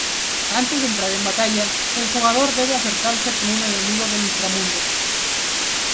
Antes de entrar en batalla, el jugador debe acercarse con un enemigo del inframundo.